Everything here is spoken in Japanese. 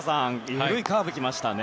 緩いカーブが来ましたね。